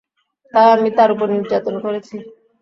তাই আমি তার উপর নির্যাতন করেছি।